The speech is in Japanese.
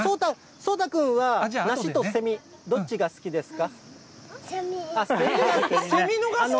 そうたくんは梨とセミ、どっちが好きですか？